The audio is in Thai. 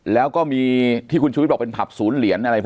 แล้วก็มีที่คุณชุวิตบอกเป็นผับศูนย์เหลียนอะไรพวกนั้นนะ